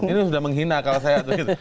ini sudah menghina kalau saya begitu